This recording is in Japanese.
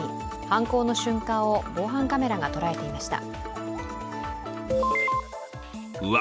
犯行の瞬間を防犯カメラが捉えていました。